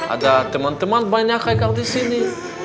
ada teman teman banyak yang di sini